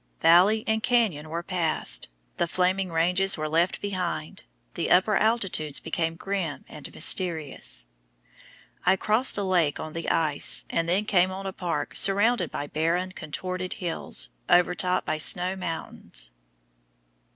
Valley and canyon were passed, the flaming ranges were left behind, the upper altitudes became grim and mysterious. I crossed a lake on the ice, and then came on a park surrounded by barren contorted hills, overtopped by snow mountains.